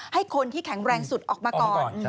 ให้คนที่แข็งแรงสุดออกมาก่อน